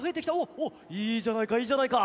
おおいいじゃないかいいじゃないか。